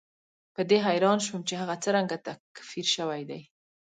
په دې حیران شوم چې هغه څرنګه تکفیر شوی دی.